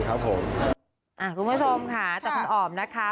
คุณผู้ชมค่ะจากคุณอ๋อมนะคะ